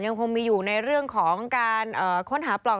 ยังคงมีอยู่ในเรื่องของการค้นหาปล่อง